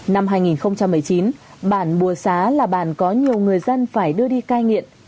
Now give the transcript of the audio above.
năm hai nghìn một mươi chín bản bùa xá là bản có nhiều người dân phải đưa đi cai nghiện